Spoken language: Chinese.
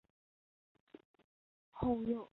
后又用计捉拿俘虏了叛将札合敢不和他的部众。